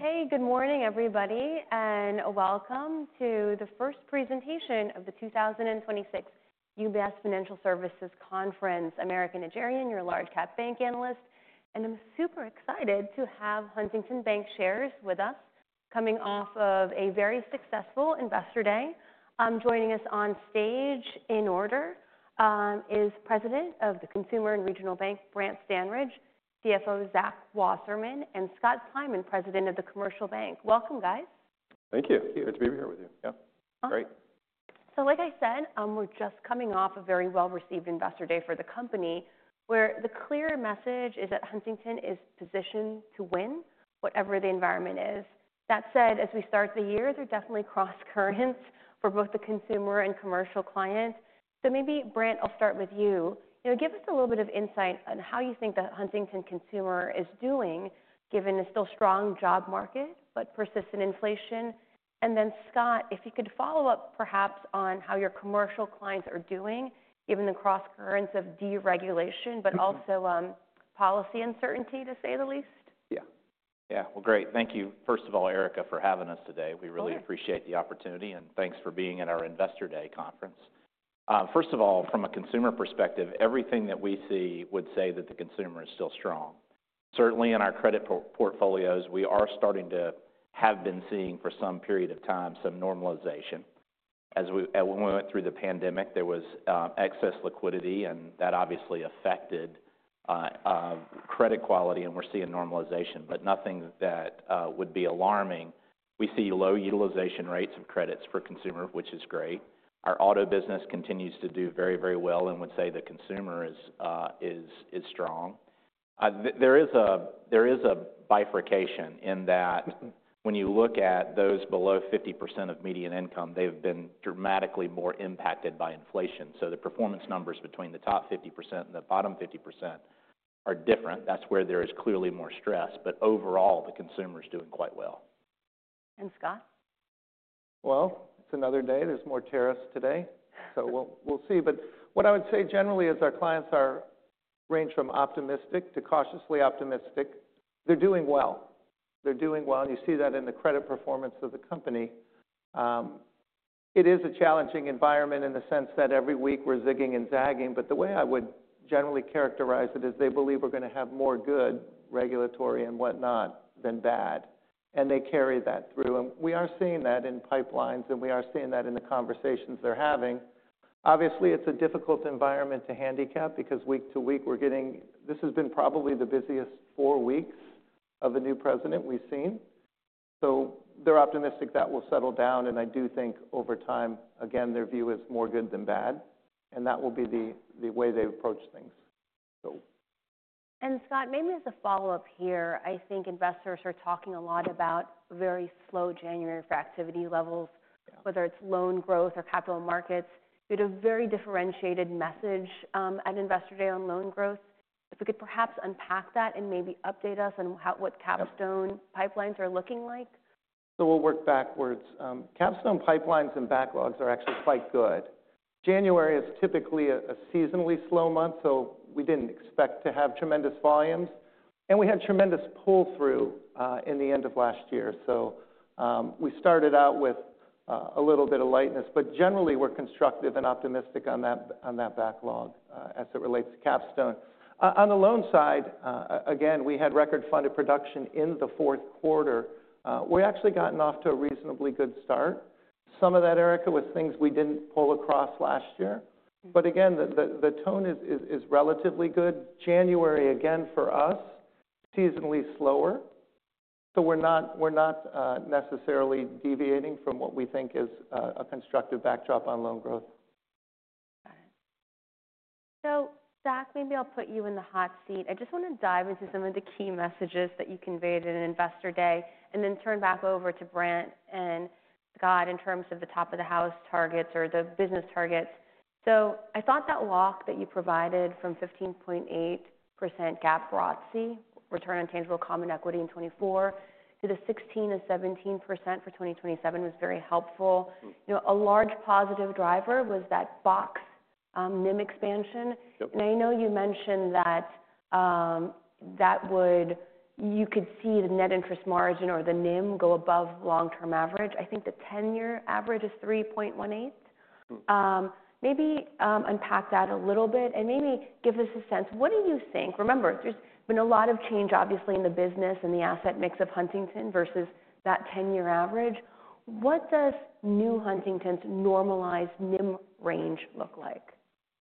Hey, good morning, everybody, and welcome to the first presentation of the 2026 UBS Financial Services Conference. I'm Erika Najarian, your large-cap bank analyst, and I'm super excited to have Huntington Bancshares with us coming off of a very successful Investor Day. Joining us on stage in order is President of the Consumer and Regional Bank, Brant Standridge, CFO, Zach Wasserman, and Scott Kleinman, President of the Commercial Bank. Welcome, guys. Thank you. It's good to be here with you. Yeah, great. So, like I said, we're just coming off a very well-received Investor Day for the company, where the clear message is that Huntington is positioned to win whatever the environment is. That said, as we start the year, there are definitely cross-currents for both the consumer and commercial client. So maybe, Brant, I'll start with you. Give us a little bit of insight on how you think the Huntington consumer is doing, given the still strong job market but persistent inflation. And then, Scott, if you could follow up, perhaps, on how your commercial clients are doing, given the cross-currents of deregulation but also policy uncertainty, to say the least. Yeah, yeah, well, great. Thank you, first of all, Erika, for having us today. We really appreciate the opportunity, and thanks for being at our Investor Day Conference. First of all, from a consumer perspective, everything that we see would say that the consumer is still strong. Certainly, in our credit portfolios, we are starting to have been seeing, for some period of time, some normalization. As we went through the pandemic, there was excess liquidity, and that obviously affected credit quality, and we're seeing normalization, but nothing that would be alarming. We see low utilization rates of credits for consumers, which is great. Our auto business continues to do very, very well and would say the consumer is strong. There is a bifurcation in that when you look at those below 50% of median income, they've been dramatically more impacted by inflation. So the performance numbers between the top 50% and the bottom 50% are different. That's where there is clearly more stress. But overall, the consumer is doing quite well. And Scott? It's another day. There's more tariffs today, so we'll see. But what I would say generally is our clients range from optimistic to cautiously optimistic. They're doing well. They're doing well, and you see that in the credit performance of the company. It is a challenging environment in the sense that every week we're zigging and zagging. But the way I would generally characterize it is they believe we're going to have more good regulatory and whatnot than bad, and they carry that through. And we are seeing that in pipelines, and we are seeing that in the conversations they're having. Obviously, it's a difficult environment to handicap because week to week we're getting this. This has been probably the busiest four weeks of a new president we've seen. So they're optimistic that will settle down, and I do think over time, again, their view is more good than bad, and that will be the way they approach things. Scott, maybe as a follow-up here, I think investors are talking a lot about very slow January for activity levels, whether it's loan growth or capital markets. We had a very differentiated message at Investor Day on loan growth. If we could perhaps unpack that and maybe update us on what Capstone pipelines are looking like. So we'll work backwards. Capstone pipelines and backlogs are actually quite good. January is typically a seasonally slow month, so we didn't expect to have tremendous volumes, and we had tremendous pull-through in the end of last year. So we started out with a little bit of lightness, but generally, we're constructive and optimistic on that backlog as it relates to Capstone. On the loan side, again, we had record-funded production in the fourth quarter. We actually gotten off to a reasonably good start. Some of that, Erika, was things we didn't pull across last year. But again, the tone is relatively good. January, again, for us, seasonally slower. So we're not necessarily deviating from what we think is a constructive backdrop on loan growth. Got it. So Zach, maybe I'll put you in the hot seat. I just want to dive into some of the key messages that you conveyed at Investor Day and then turn back over to Brant and Scott in terms of the top-of-the-house targets or the business targets. So I thought that lock that you provided from 15.8% GAAP ROTCE return on tangible common equity in 2024 to the 16% and 17% for 2027 was very helpful. A large positive driver was that box NIM expansion. And I know you mentioned that you could see the net interest margin or the NIM go above long-term average. I think the 10-year average is 3.18%. Maybe unpack that a little bit and maybe give us a sense. What do you think? Remember, there's been a lot of change, obviously, in the business and the asset mix of Huntington versus that 10-year average. What does new Huntington's normalized NIM range look like?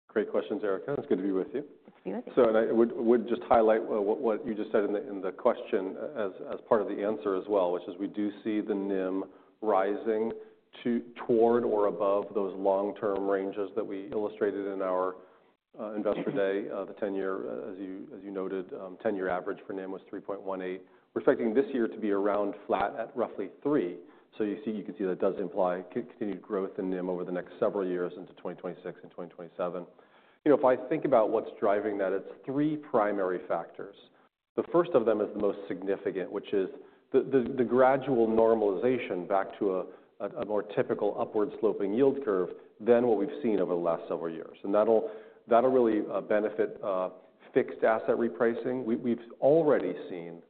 Great questions, Erika. It's good to be with you. Good to be with you. I would just highlight what you just said in the question as part of the answer as well, which is we do see the NIM rising toward or above those long-term ranges that we illustrated in our Investor Day. The 10-year, as you noted, 10-year average for NIM was 3.18. Expecting this year to be around flat at roughly 3. So you can see that does imply continued growth in NIM over the next several years into 2026 and 2027. If I think about what's driving that, it's three primary factors. The first of them is the most significant, which is the gradual normalization back to a more typical upward-sloping yield curve than what we've seen over the last several years. And that'll really benefit fixed asset repricing. We've already seen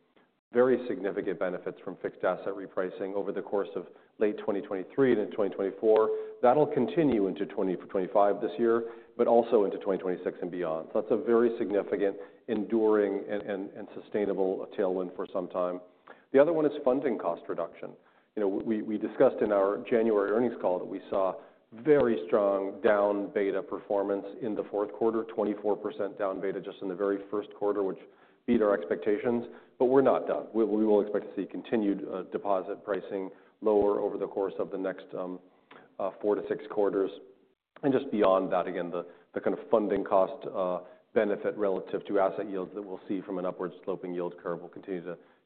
very significant benefits from fixed asset repricing over the course of late 2023 and into 2024. That'll continue into 2025 this year, but also into 2026 and beyond. So that's a very significant, enduring, and sustainable tailwind for some time. The other one is funding cost reduction. We discussed in our January earnings call that we saw very strong down beta performance in the fourth quarter, 24% down beta just in the very first quarter, which beat our expectations. But we're not done. We will expect to see continued deposit pricing lower over the course of the next four to six quarters. And just beyond that, again, the kind of funding cost benefit relative to asset yields that we'll see from an upward-sloping yield curve will continue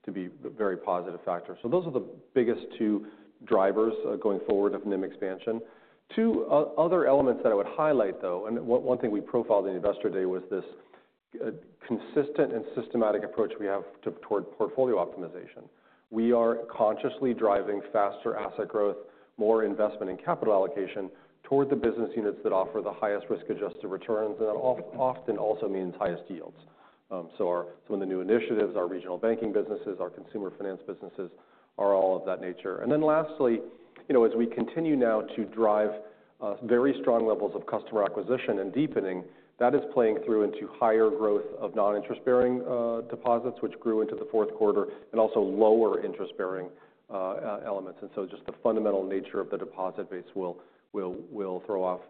to be a very positive factor. So those are the biggest two drivers going forward of NIM expansion. Two other elements that I would highlight, though, and one thing we profiled in Investor Day was this consistent and systematic approach we have toward portfolio optimization. We are consciously driving faster asset growth, more investment in capital allocation toward the business units that offer the highest risk-adjusted returns, and that often also means highest yields. So some of the new initiatives, our regional banking businesses, our consumer finance businesses are all of that nature. And then lastly, as we continue now to drive very strong levels of customer acquisition and deepening, that is playing through into higher growth of non-interest-bearing deposits, which grew into the fourth quarter, and also lower interest-bearing elements. And so just the fundamental nature of the deposit base will throw off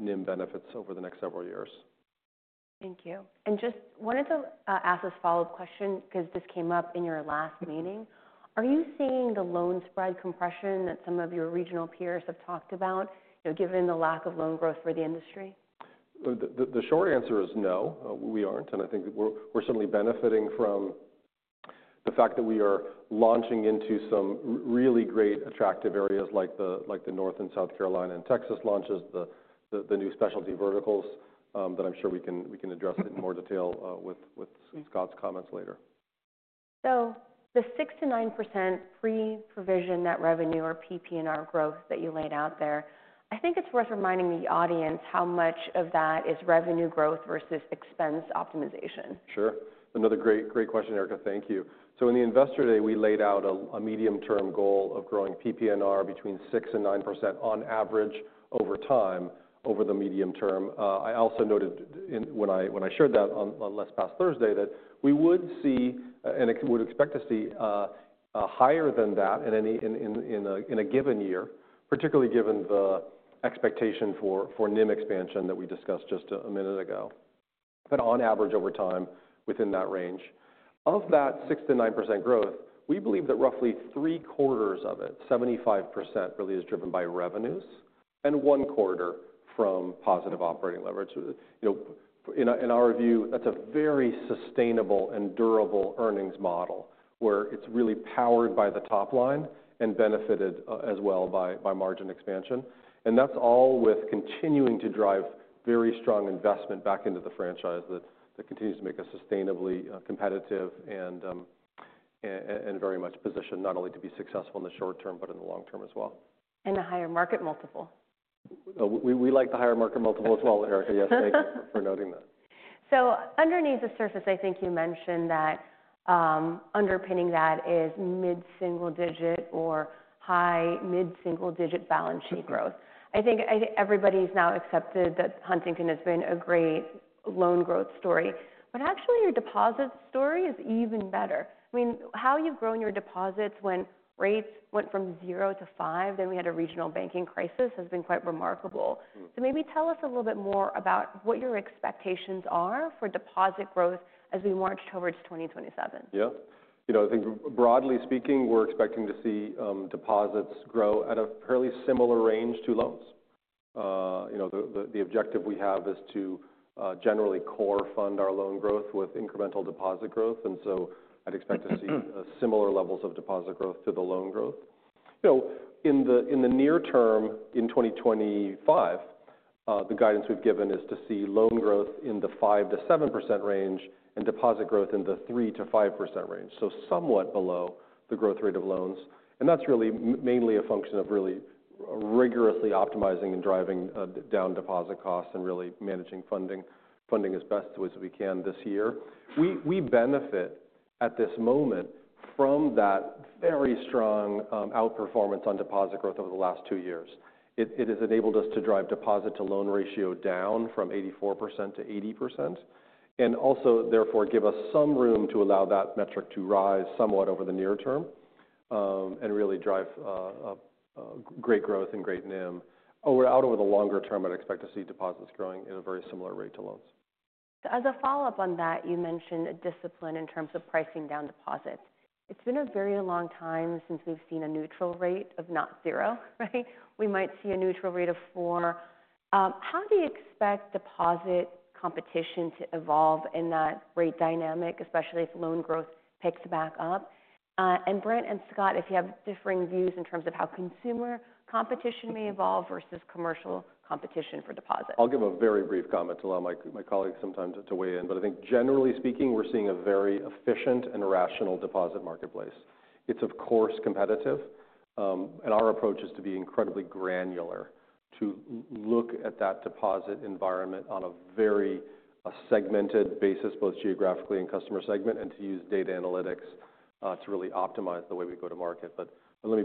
NIM benefits over the next several years. Thank you. And just wanted to ask this follow-up question because this came up in your last meeting. Are you seeing the loan spread compression that some of your regional peers have talked about, given the lack of loan growth for the industry? The short answer is no, we aren't, and I think we're certainly benefiting from the fact that we are launching into some really great attractive areas like the North Carolina and South Carolina and Texas launches, the new specialty verticals that I'm sure we can address in more detail with Scott's comments later. The 6%-9% Pre-Provision Net Revenue or PPNR growth that you laid out there, I think it's worth reminding the audience how much of that is revenue growth versus expense optimization. Sure. Another great question, Erika. Thank you. So in the Investor Day, we laid out a medium-term goal of growing PPNR between 6% and 9% on average over time over the medium term. I also noted when I shared that last Thursday that we would see and would expect to see higher than that in a given year, particularly given the expectation for NIM expansion that we discussed just a minute ago. But on average over time, within that range. Of that 6% to 9% growth, we believe that roughly three-quarters of it, 75%, really is driven by revenues and one quarter from positive operating leverage. In our view, that's a very sustainable and durable earnings model where it's really powered by the top line and benefited as well by margin expansion. That's all with continuing to drive very strong investment back into the franchise that continues to make us sustainably competitive and very much positioned not only to be successful in the short term, but in the long term as well. A higher market multiple. We like the higher market multiple as well, Erika. Yes, thank you for noting that. So underneath the surface, I think you mentioned that underpinning that is mid-single-digit or high mid-single-digit balance sheet growth. I think everybody's now accepted that Huntington has been a great loan growth story. But actually, your deposit story is even better. I mean, how you've grown your deposits when rates went from 0%-5%, then we had a regional banking crisis, has been quite remarkable. So maybe tell us a little bit more about what your expectations are for deposit growth as we march towards 2027. Yeah. I think broadly speaking, we're expecting to see deposits grow at a fairly similar range to loans. The objective we have is to generally core fund our loan growth with incremental deposit growth. And so I'd expect to see similar levels of deposit growth to the loan growth. In the near term, in 2025, the guidance we've given is to see loan growth in the 5%-7% range and deposit growth in the 3%-5% range, so somewhat below the growth rate of loans. And that's really mainly a function of really rigorously optimizing and driving down deposit costs and really managing funding as best as we can this year. We benefit at this moment from that very strong outperformance on deposit growth over the last two years. It has enabled us to drive deposit-to-loan ratio down from 84% to 80% and also, therefore, give us some room to allow that metric to rise somewhat over the near term and really drive great growth and great NIM. Over the longer term, I'd expect to see deposits growing at a very similar rate to loans. As a follow-up on that, you mentioned discipline in terms of pricing down deposits. It's been a very long time since we've seen a neutral rate of not 0%, right? We might see a neutral rate of 4%. How do you expect deposit competition to evolve in that rate dynamic, especially if loan growth picks back up? And Brant and Scott, if you have differing views in terms of how consumer competition may evolve versus commercial competition for deposits. I'll give a very brief comment to allow my colleagues sometimes to weigh in. But I think generally speaking, we're seeing a very efficient and rational deposit marketplace. It's, of course, competitive. And our approach is to be incredibly granular to look at that deposit environment on a very segmented basis, both geographically and customer segment, and to use data analytics to really optimize the way we go to market. But let me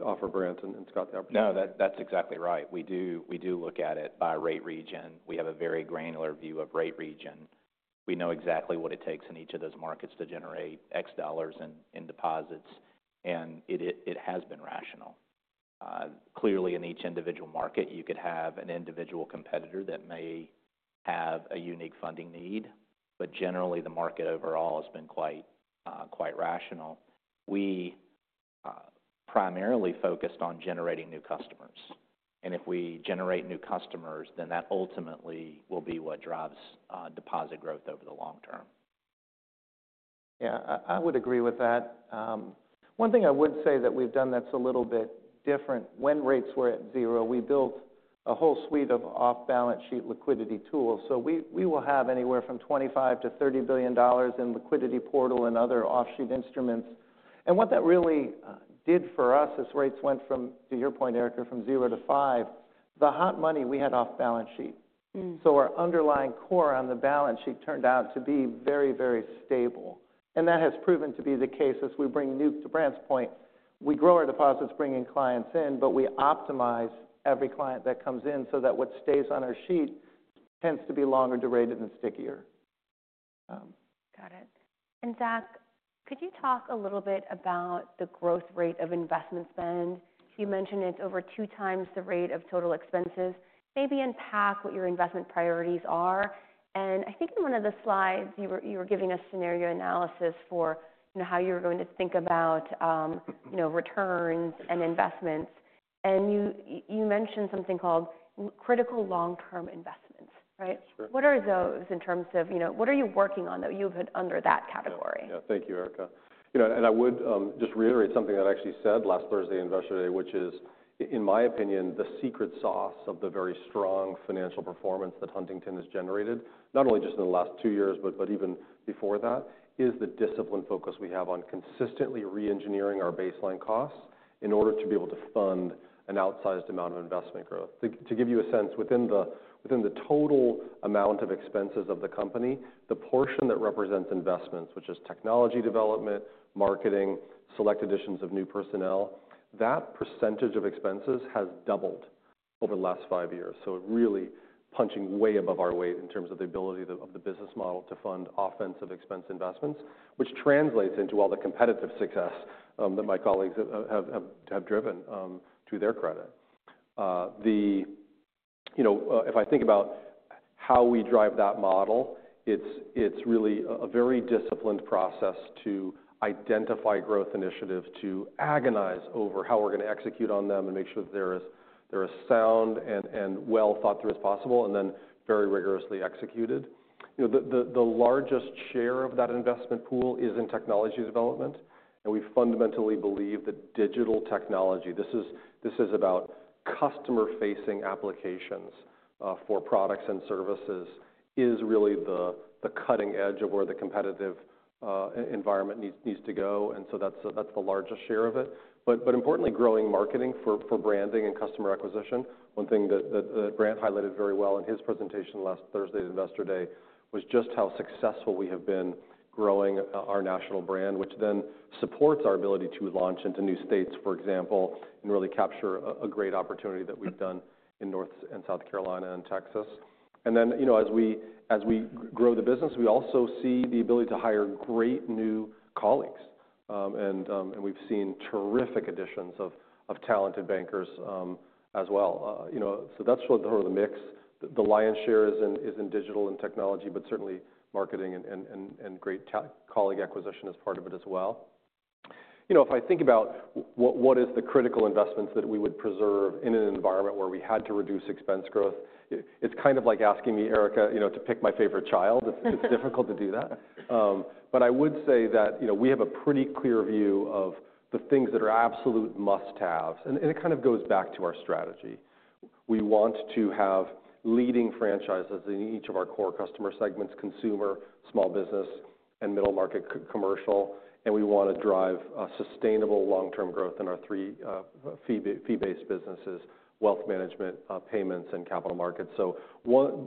offer Brant and Scott the opportunity. No, that's exactly right. We do look at it by rate region. We have a very granular view of rate region. We know exactly what it takes in each of those markets to generate $X in deposits. And it has been rational. Clearly, in each individual market, you could have an individual competitor that may have a unique funding need. But generally, the market overall has been quite rational. We primarily focused on generating new customers. And if we generate new customers, then that ultimately will be what drives deposit growth over the long term. Yeah, I would agree with that. One thing I would say that we've done that's a little bit different. When rates were at 0%, we built a whole suite of off-balance sheet liquidity tools. So we will have anywhere from $25-$30 billion in liquidity portal and other off-balance-sheet instruments, and what that really did for us is rates went from, to your point, Erika, from 0% to 5%. The hot money we had off-balance sheet, so our underlying core on the balance sheet turned out to be very, very stable, and that has proven to be the case as we bring de novo to Brant's point. We grow our deposits, bringing clients in, but we optimize every client that comes in so that what stays on our sheet tends to be longer durated and stickier. Got it. And Zach, could you talk a little bit about the growth rate of investment spend? You mentioned it's over two times the rate of total expenses. Maybe unpack what your investment priorities are. And I think in one of the slides, you were giving a scenario analysis for how you were going to think about returns and investments. And you mentioned something called critical long-term investments, right? What are those in terms of what are you working on that you put under that category? Yeah, thank you, Erika. And I would just reiterate something I actually said last Thursday at Investor Day, which is, in my opinion, the secret sauce of the very strong financial performance that Huntington has generated, not only just in the last two years, but even before that, is the discipline focus we have on consistently re-engineering our baseline costs in order to be able to fund an outsized amount of investment growth. To give you a sense, within the total amount of expenses of the company, the portion that represents investments, which is technology development, marketing, select additions of new personnel, that percentage of expenses has doubled over the last five years. So really punching way above our weight in terms of the ability of the business model to fund offensive expense investments, which translates into all the competitive success that my colleagues have driven to their credit. If I think about how we drive that model, it's really a very disciplined process to identify growth initiatives to agonize over how we're going to execute on them and make sure that they're as sound and well thought through as possible and then very rigorously executed. The largest share of that investment pool is in technology development. And we fundamentally believe that digital technology, this is about customer-facing applications for products and services, is really the cutting edge of where the competitive environment needs to go. And so that's the largest share of it. But importantly, growing marketing for branding and customer acquisition. One thing that Brant highlighted very well in his presentation last Thursday at Investor Day was just how successful we have been growing our national brand, which then supports our ability to launch into new states, for example, and really capture a great opportunity that we've done in North and South Carolina and Texas, and then as we grow the business, we also see the ability to hire great new colleagues, and we've seen terrific additions of talented bankers as well. So that's sort of the mix. The lion's share is in digital and technology, but certainly marketing and great colleague acquisition is part of it as well. If I think about what is the critical investments that we would preserve in an environment where we had to reduce expense growth, it's kind of like asking me, Erika, to pick my favorite child. It's difficult to do that. But I would say that we have a pretty clear view of the things that are absolute must-haves. And it kind of goes back to our strategy. We want to have leading franchises in each of our core customer segments: consumer, small business, and middle market commercial. And we want to drive sustainable long-term growth in our three fee-based businesses: wealth management, payments, and capital markets. So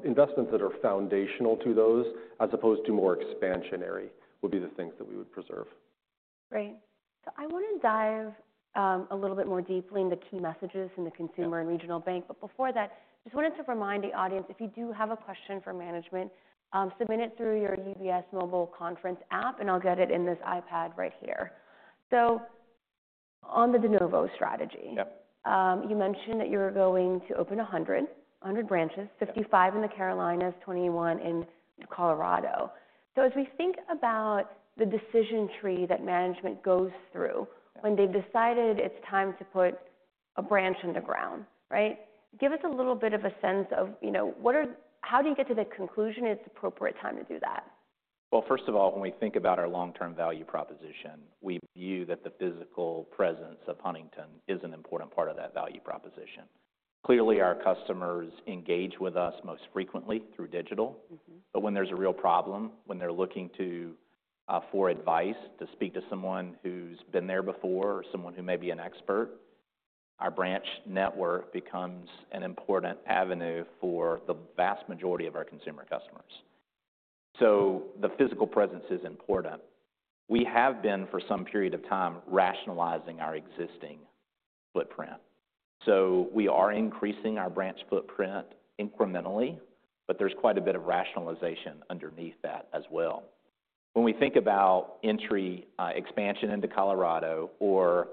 investments that are foundational to those, as opposed to more expansionary, would be the things that we would preserve. Great. So I want to dive a little bit more deeply into key messages in the consumer and regional bank. But before that, I just wanted to remind the audience, if you do have a question for management, submit it through your UBS mobile conference app, and I'll get it in this iPad right here. So on the DeNovo strategy, you mentioned that you're going to open 100 branches: 55 in the Carolinas, 21 in Colorado. So as we think about the decision tree that management goes through when they've decided it's time to put a branch underground, right? Give us a little bit of a sense of how do you get to the conclusion it's appropriate time to do that? First of all, when we think about our long-term value proposition, we view that the physical presence of Huntington is an important part of that value proposition. Clearly, our customers engage with us most frequently through digital. But when there's a real problem, when they're looking for advice, to speak to someone who's been there before or someone who may be an expert, our branch network becomes an important avenue for the vast majority of our consumer customers. So the physical presence is important. We have been, for some period of time, rationalizing our existing footprint. So we are increasing our branch footprint incrementally, but there's quite a bit of rationalization underneath that as well. When we think about entry expansion into Colorado or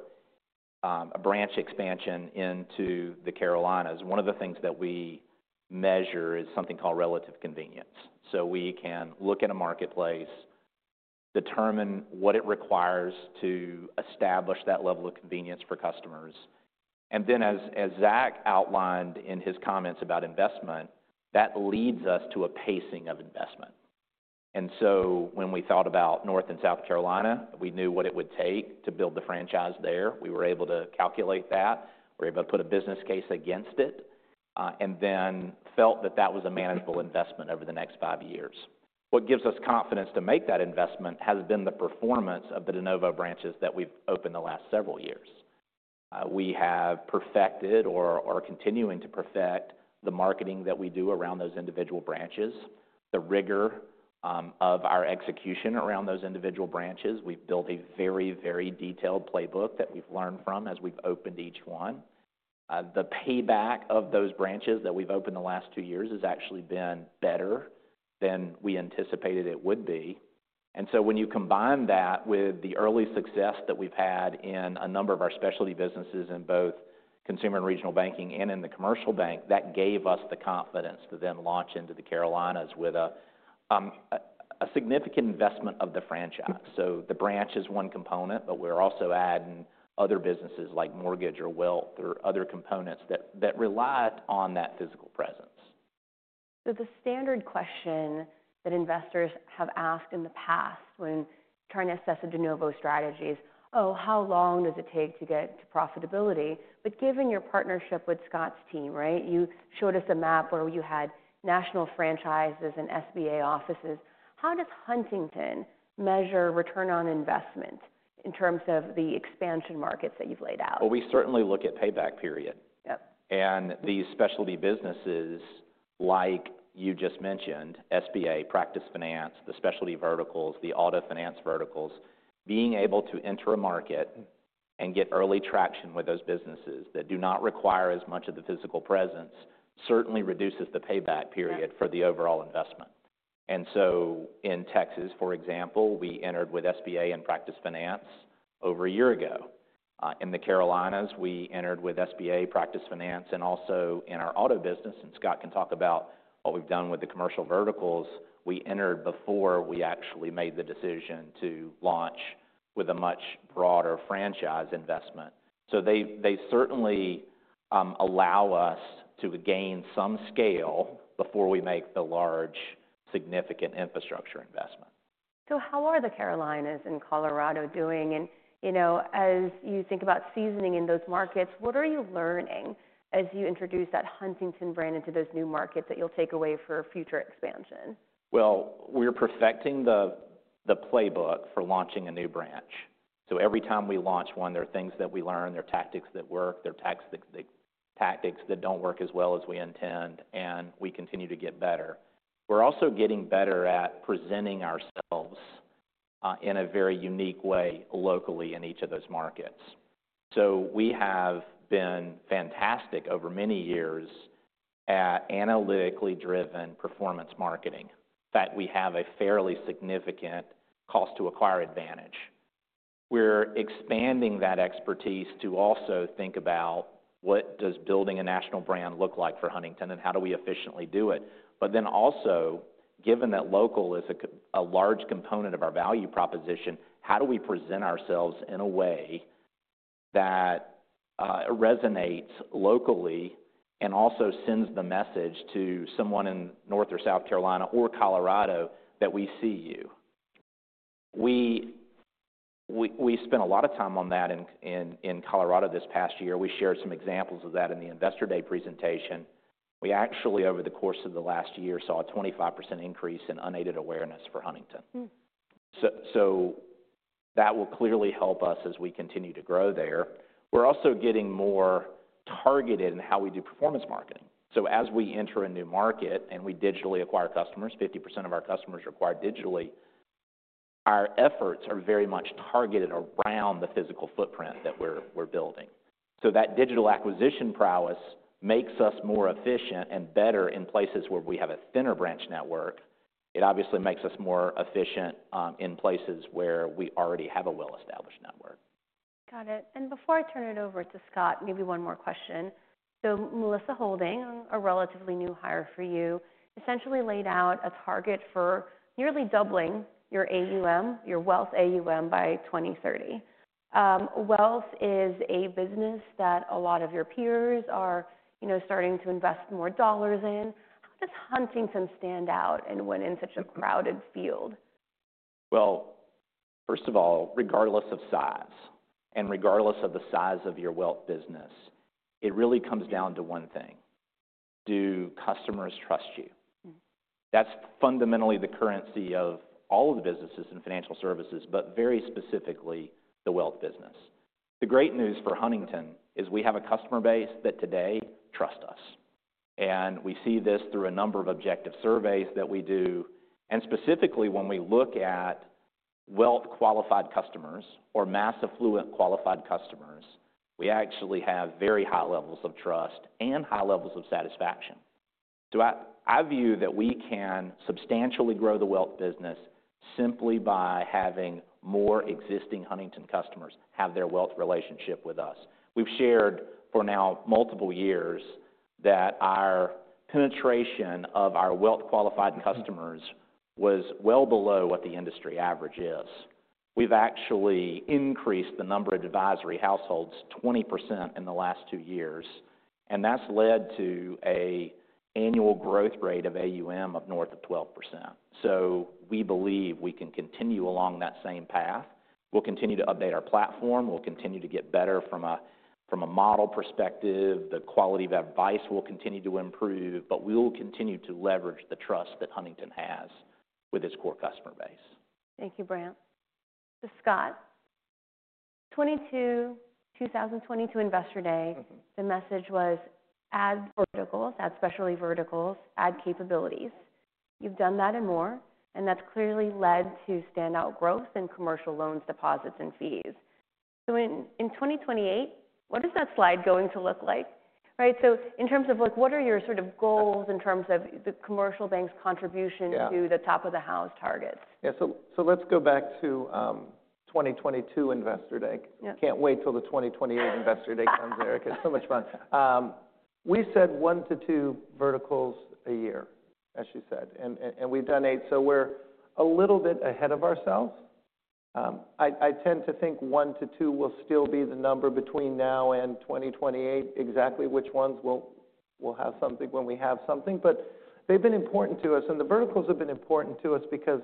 a branch expansion into the Carolinas, one of the things that we measure is something called relative convenience. So we can look at a marketplace, determine what it requires to establish that level of convenience for customers. And then, as Zach outlined in his comments about investment, that leads us to a pacing of investment. And so when we thought about North and South Carolina, we knew what it would take to build the franchise there. We were able to calculate that. We were able to put a business case against it and then felt that that was a manageable investment over the next five years. What gives us confidence to make that investment has been the performance of the DeNovo branches that we've opened the last several years. We have perfected or are continuing to perfect the marketing that we do around those individual branches, the rigor of our execution around those individual branches. We've built a very, very detailed playbook that we've learned from as we've opened each one. The payback of those branches that we've opened the last two years has actually been better than we anticipated it would be, and so when you combine that with the early success that we've had in a number of our specialty businesses in both consumer and regional banking and in the commercial bank, that gave us the confidence to then launch into the Carolinas with a significant investment of the franchise, so the branch is one component, but we're also adding other businesses like mortgage or wealth or other components that rely on that physical presence. So the standard question that investors have asked in the past when trying to assess the DeNovo strategy is, "Oh, how long does it take to get to profitability?" But given your partnership with Scott's team, right? You showed us a map where you had national franchises and SBA offices. How does Huntington measure return on investment in terms of the expansion markets that you've laid out? Well, we certainly look at payback period. And these specialty businesses, like you just mentioned, SBA, practice finance, the specialty verticals, the auto finance verticals, being able to enter a market and get early traction with those businesses that do not require as much of the physical presence certainly reduces the payback period for the overall investment. And so in Texas, for example, we entered with SBA and practice finance over a year ago. In the Carolinas, we entered with SBA, practice finance, and also in our auto business. And Scott can talk about what we've done with the commercial verticals. We entered before we actually made the decision to launch with a much broader franchise investment. So they certainly allow us to gain some scale before we make the large, significant infrastructure investment. So how are the Carolinas and Colorado doing? And as you think about seasoning in those markets, what are you learning as you introduce that Huntington brand into those new markets that you'll take away for future expansion? We're perfecting the playbook for launching a new branch. Every time we launch one, there are things that we learn. There are tactics that work. There are tactics that don't work as well as we intend. And we continue to get better. We're also getting better at presenting ourselves in a very unique way locally in each of those markets. We have been fantastic over many years at analytically driven performance marketing. In fact, we have a fairly significant cost-to-acquire advantage. We're expanding that expertise to also think about what does building a national brand look like for Huntington and how do we efficiently do it. But then also, given that local is a large component of our value proposition, how do we present ourselves in a way that resonates locally and also sends the message to someone in North or South Carolina or Colorado that we see you? We spent a lot of time on that in Colorado this past year. We shared some examples of that in the Investor Day presentation. We actually, over the course of the last year, saw a 25% increase in unaided awareness for Huntington. So that will clearly help us as we continue to grow there. We're also getting more targeted in how we do performance marketing. So as we enter a new market and we digitally acquire customers, 50% of our customers are acquired digitally, our efforts are very much targeted around the physical footprint that we're building. So that digital acquisition prowess makes us more efficient and better in places where we have a thinner branch network. It obviously makes us more efficient in places where we already have a well-established network. Got it. And before I turn it over to Scott, maybe one more question. So Melissa Norton, a relatively new hire for you, essentially laid out a target for nearly doubling your AUM, your wealth AUM, by 2030. Wealth is a business that a lot of your peers are starting to invest more dollars in. How does Huntington stand out and win in such a crowded field? First of all, regardless of size and regardless of the size of your wealth business, it really comes down to one thing: do customers trust you? That's fundamentally the currency of all of the businesses in financial services, but very specifically the wealth business. The great news for Huntington is we have a customer base that today trusts us. We see this through a number of objective surveys that we do. Specifically, when we look at wealth qualified customers or mass affluent qualified customers, we actually have very high levels of trust and high levels of satisfaction. I view that we can substantially grow the wealth business simply by having more existing Huntington customers have their wealth relationship with us. We've shared for now multiple years that our penetration of our wealth qualified customers was well below what the industry average is. We've actually increased the number of advisory households 20% in the last two years. And that's led to an annual growth rate of AUM of north of 12%. So we believe we can continue along that same path. We'll continue to update our platform. We'll continue to get better from a model perspective. The quality of advice will continue to improve. But we will continue to leverage the trust that Huntington has with its core customer base. Thank you, Brant. To Scott at the 2022 Investor Day, the message was, "Add verticals, add specialty verticals, add capabilities." You've done that and more. And that's clearly led to standout growth in commercial loans, deposits, and fees. So in 2028, what is that slide going to look like, right? So in terms of what are your sort of goals in terms of the commercial bank's contribution to the top of the house targets? Yeah. So let's go back to 2022 Investor Day. Can't wait till the 2028 Investor Day comes, Erika. It's so much fun. We said one to two verticals a year, as she said. And we've done eight. So we're a little bit ahead of ourselves. I tend to think one to two will still be the number between now and 2028. Exactly which ones we'll have something when we have something. But they've been important to us. And the verticals have been important to us because,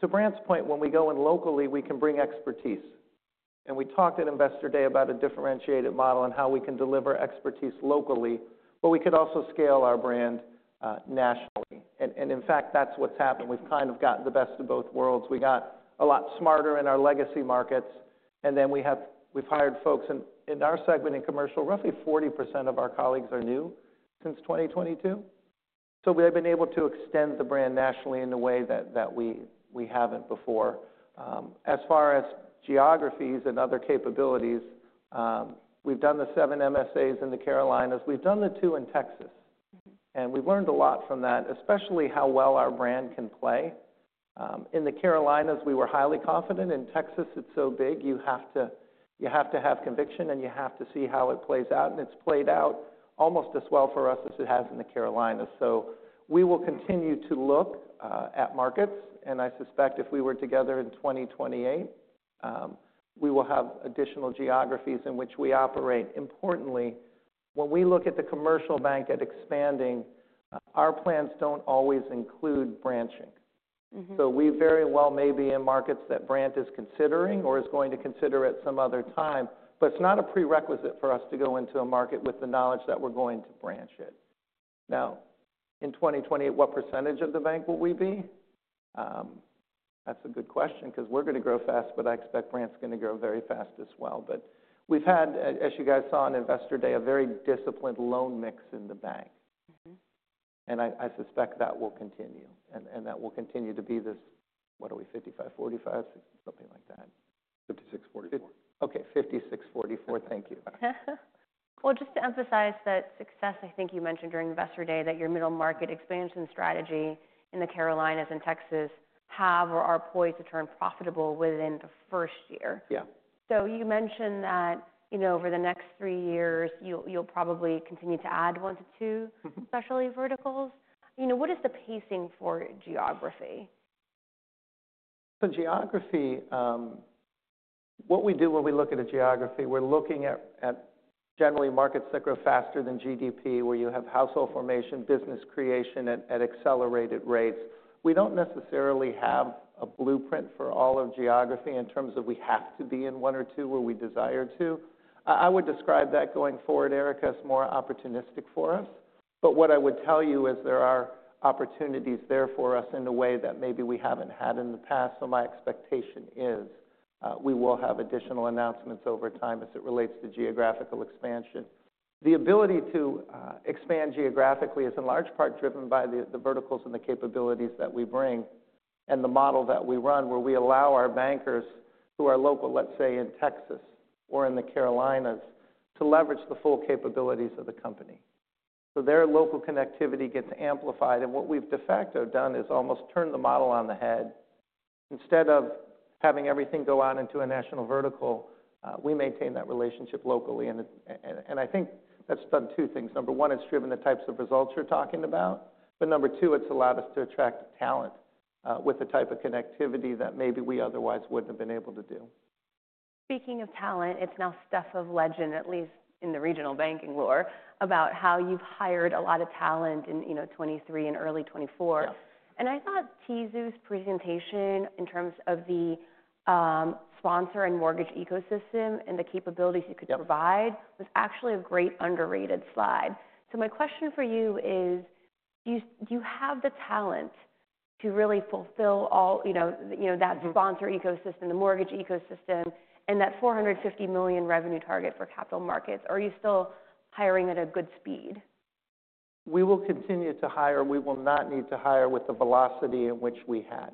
to Brant's point, when we go in locally, we can bring expertise. And we talked at Investor Day about a differentiated model and how we can deliver expertise locally. But we could also scale our brand nationally. And in fact, that's what's happened. We've kind of gotten the best of both worlds. We got a lot smarter in our legacy markets. And then we've hired folks in our segment in commercial. Roughly 40% of our colleagues are new since 2022. So we have been able to extend the brand nationally in a way that we haven't before. As far as geographies and other capabilities, we've done the seven MSAs in the Carolinas. We've done the two in Texas. And we've learned a lot from that, especially how well our brand can play. In the Carolinas, we were highly confident. In Texas, it's so big. You have to have conviction, and you have to see how it plays out. And it's played out almost as well for us as it has in the Carolinas. So we will continue to look at markets. And I suspect if we were together in 2028, we will have additional geographies in which we operate. Importantly, when we look at the commercial bank expanding, our plans don't always include branching. So we very well may be in markets that Brant is considering or is going to consider at some other time. But it's not a prerequisite for us to go into a market with the knowledge that we're going to branch it. Now, in 2028, what percentage of the bank will we be? That's a good question because we're going to grow fast, but I expect Brant's going to grow very fast as well. But we've had, as you guys saw on Investor Day, a very disciplined loan mix in the bank. And I suspect that will continue. And that will continue to be this, what are we, 55%-45%, something like that? 56, 44. Okay. 56, 44. Thank you. Just to emphasize that success, I think you mentioned during Investor Day that your middle market expansion strategy in the Carolinas and Texas have or are poised to turn profitable within the first year. Yeah. So you mentioned that over the next three years, you'll probably continue to add one to two specialty verticals. What is the pacing for geography? So, geography, what we do when we look at a geography, we're looking at generally markets that grow faster than GDP, where you have household formation, business creation at accelerated rates. We don't necessarily have a blueprint for all of geography in terms of we have to be in one or two where we desire to. I would describe that going forward, Erika, as more opportunistic for us. But what I would tell you is there are opportunities there for us in a way that maybe we haven't had in the past. So my expectation is we will have additional announcements over time as it relates to geographical expansion. The ability to expand geographically is in large part driven by the verticals and the capabilities that we bring and the model that we run where we allow our bankers who are local, let's say in Texas or in the Carolinas, to leverage the full capabilities of the company. So their local connectivity gets amplified. And what we've de facto done is almost turned the model on the head. Instead of having everything go out into a national vertical, we maintain that relationship locally. And I think that's done two things. Number one, it's driven the types of results you're talking about. But number two, it's allowed us to attract talent with the type of connectivity that maybe we otherwise wouldn't have been able to do. Speaking of talent, it's now stuff of legend, at least in the regional banking lore, about how you've hired a lot of talent in 2023 and early 2024. And I thought Tizu's presentation in terms of the sponsor and mortgage ecosystem and the capabilities you could provide was actually a great underrated slide. So my question for you is, do you have the talent to really fulfill all that sponsor ecosystem, the mortgage ecosystem, and that $450 million revenue target for capital markets? Are you still hiring at a good speed? We will continue to hire. We will not need to hire with the velocity in which we had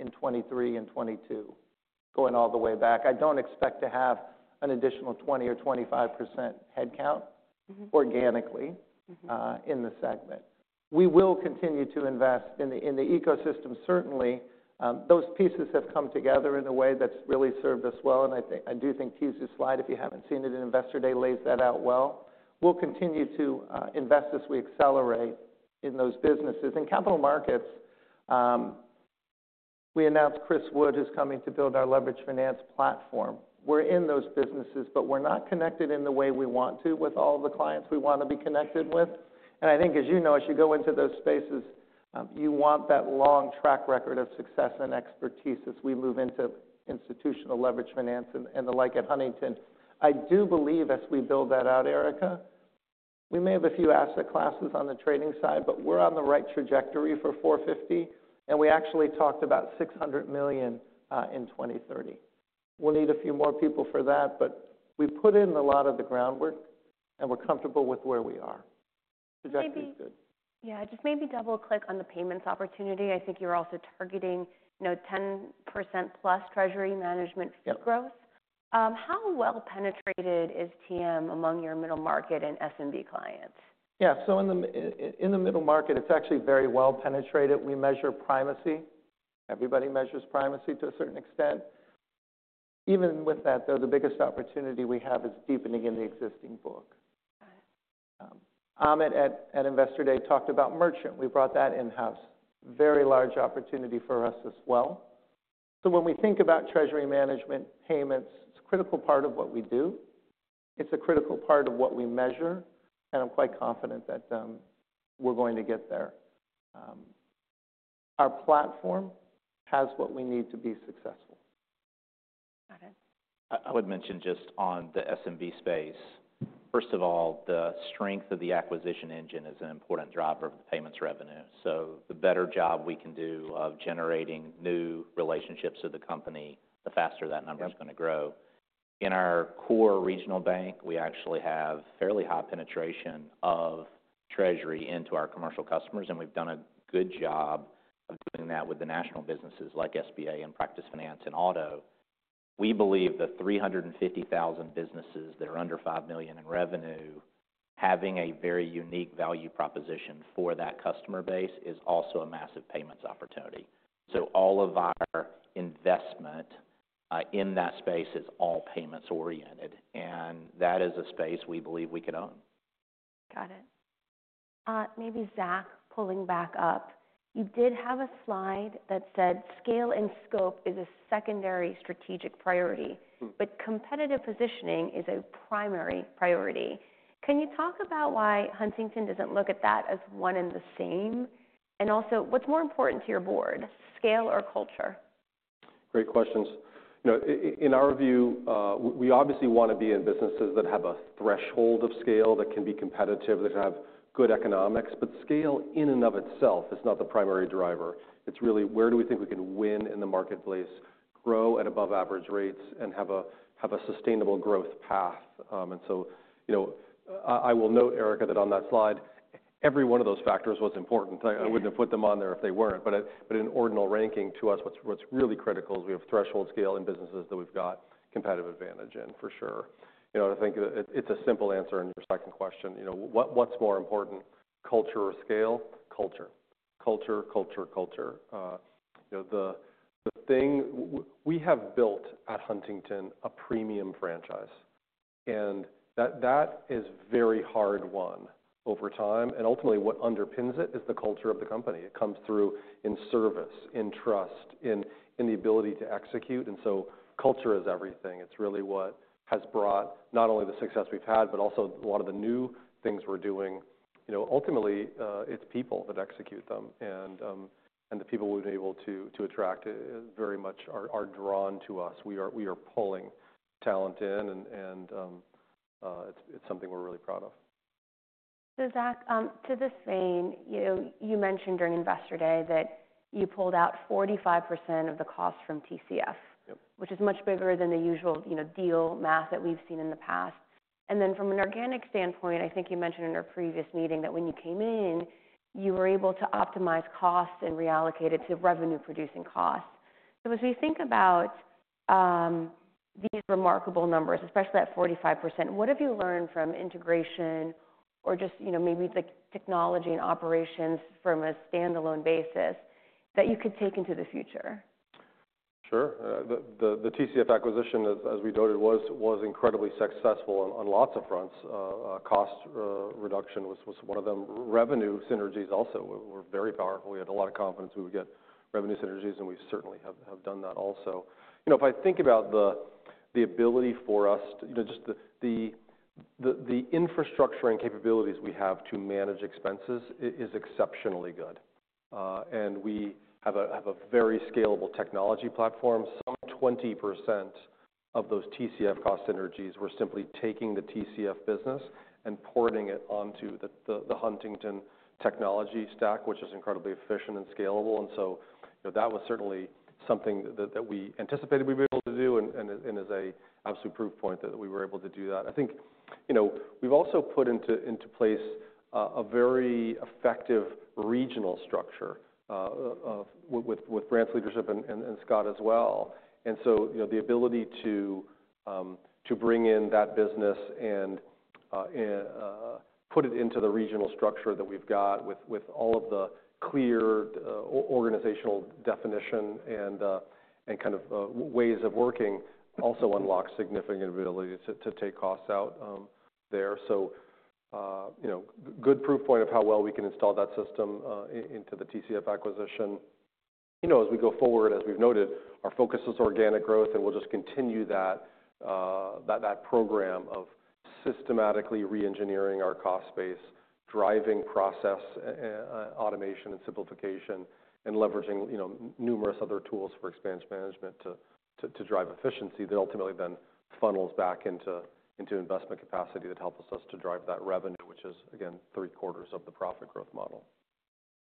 in 2023 and 2022 going all the way back. I don't expect to have an additional 20% or 25% headcount organically in the segment. We will continue to invest in the ecosystem, certainly. Those pieces have come together in a way that's really served us well, and I do think Tizu's slide, if you haven't seen it in Investor Day, lays that out well. We'll continue to invest as we accelerate in those businesses. In capital markets, we announced Chris Wood is coming to build our leveraged finance platform. We're in those businesses, but we're not connected in the way we want to with all the clients we want to be connected with. I think, as you know, as you go into those spaces, you want that long track record of success and expertise as we move into institutional leveraged finance and the like at Huntington. I do believe as we build that out, Erika, we may have a few asset classes on the trading side, but we're on the right trajectory for $450 million. We actually talked about $600 million in 2030. We'll need a few more people for that. We put in a lot of the groundwork, and we're comfortable with where we are. Maybe. That's good. Yeah. Just maybe double-click on the payments opportunity. I think you're also targeting 10% plus treasury management growth. How well penetrated is TM among your middle market and SMB clients? Yeah, so in the middle market, it's actually very well penetrated. We measure primacy. Everybody measures primacy to a certain extent. Even with that, though, the biggest opportunity we have is deepening in the existing book. Got it. Amit at Investor Day talked about merchant. We brought that in-house. Very large opportunity for us as well. So when we think about treasury management payments, it's a critical part of what we do. It's a critical part of what we measure. And I'm quite confident that we're going to get there. Our platform has what we need to be successful. Got it. I would mention just on the SMB space, first of all, the strength of the acquisition engine is an important driver of the payments revenue. So the better job we can do of generating new relationships to the company, the faster that number is going to grow. In our core regional bank, we actually have fairly high penetration of treasury into our commercial customers. And we've done a good job of doing that with the national businesses like SBA and practice finance and auto. We believe the 350,000 businesses that are under 5 million in revenue, having a very unique value proposition for that customer base is also a massive payments opportunity. So all of our investment in that space is all payments-oriented. And that is a space we believe we could own. Got it. Maybe Zach pulling back up. You did have a slide that said scale and scope is a secondary strategic priority, but competitive positioning is a primary priority. Can you talk about why Huntington doesn't look at that as one and the same? And also, what's more important to your board, scale or culture? Great questions. In our view, we obviously want to be in businesses that have a threshold of scale that can be competitive, that can have good economics. But scale in and of itself is not the primary driver. It's really where do we think we can win in the marketplace, grow at above-average rates, and have a sustainable growth path. And so I will note, Erika, that on that slide, every one of those factors was important. I wouldn't have put them on there if they weren't. But in ordinal ranking to us, what's really critical is we have threshold scale in businesses that we've got competitive advantage in, for sure. I think it's a simple answer in your second question. What's more important, culture or scale? Culture. Culture, culture, culture. The thing we have built at Huntington, a premium franchise. And that is a very hard one over time. And ultimately, what underpins it is the culture of the company. It comes through in service, in trust, in the ability to execute. And so culture is everything. It's really what has brought not only the success we've had, but also a lot of the new things we're doing. Ultimately, it's people that execute them. And the people we've been able to attract very much are drawn to us. We are pulling talent in. And it's something we're really proud of. Zach, in this vein, you mentioned during Investor Day that you pulled out 45% of the cost from TCF, which is much bigger than the usual deal math that we've seen in the past. And then from an organic standpoint, I think you mentioned in our previous meeting that when you came in, you were able to optimize costs and reallocate it to revenue-producing costs. So as we think about these remarkable numbers, especially at 45%, what have you learned from integration or just maybe the technology and operations from a standalone basis that you could take into the future? Sure. The TCF acquisition, as we noted, was incredibly successful on lots of fronts. Cost reduction was one of them. Revenue synergies also were very powerful. We had a lot of confidence we would get revenue synergies. And we certainly have done that also. If I think about the ability for us, just the infrastructure and capabilities we have to manage expenses is exceptionally good. And we have a very scalable technology platform. Some 20% of those TCF cost synergies were simply taking the TCF business and porting it onto the Huntington technology stack, which is incredibly efficient and scalable. And so that was certainly something that we anticipated we'd be able to do and is an absolute proof point that we were able to do that. I think we've also put into place a very effective regional structure with Brant's leadership and Scott as well. And so the ability to bring in that business and put it into the regional structure that we've got with all of the clear organizational definition and kind of ways of working also unlocks significant ability to take costs out there. So good proof point of how well we can install that system into the TCF acquisition. As we go forward, as we've noted, our focus is organic growth. And we'll just continue that program of systematically re-engineering our cost space, driving process automation and simplification, and leveraging numerous other tools for expense management to drive efficiency that ultimately then funnels back into investment capacity that helps us to drive that revenue, which is, again, three-quarters of the profit growth model.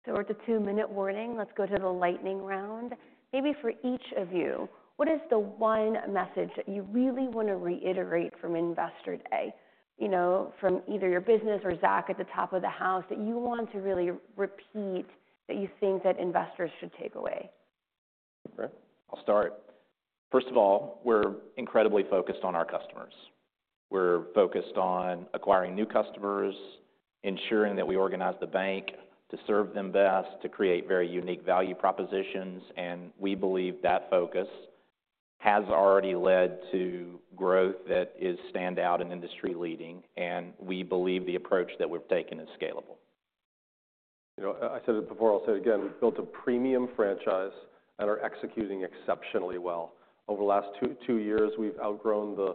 So we're at the two-minute warning. Let's go to the lightning round. Maybe for each of you, what is the one message that you really want to reiterate from Investor Day from either your business or Zach at the top of the house that you want to really repeat that you think that investors should take away? Okay. I'll start. First of all, we're incredibly focused on our customers. We're focused on acquiring new customers, ensuring that we organize the bank to serve them best, to create very unique value propositions. And we believe that focus has already led to growth that is standout and industry-leading. And we believe the approach that we've taken is scalable. I said it before. I'll say it again. We've built a premium franchise and are executing exceptionally well. Over the last two years, we've outgrown the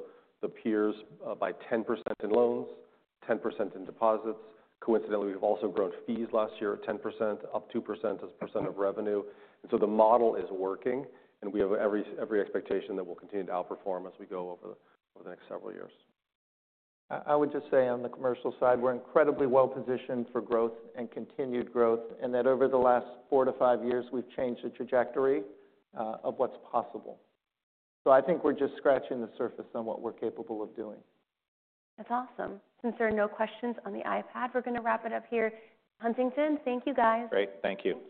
peers by 10% in loans, 10% in deposits. Coincidentally, we've also grown fees last year at 10%, up 2% as a percent of revenue. And so the model is working. And we have every expectation that we'll continue to outperform as we go over the next several years. I would just say on the commercial side, we're incredibly well-positioned for growth and continued growth and that over the last four to five years, we've changed the trajectory of what's possible. So I think we're just scratching the surface on what we're capable of doing. That's awesome. Since there are no questions on the iPad, we're going to wrap it up here. Huntington, thank you, guys. Great. Thank you.